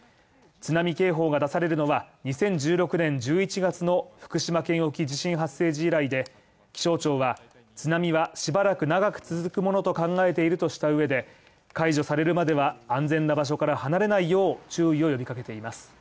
津波警報が出されるのは、２０１６年１１月の福島県沖地震発生時以来で、気象庁は津波はしばらく長く続くものと考えているとした上で解除されるまでは、安全な場所から離れないよう注意を呼びかけています。